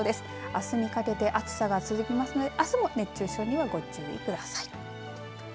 あすにかけて暑さが続きますのであすも熱中症にはご注意ください。